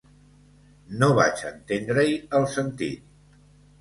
No vaig entendre-hi el sentit.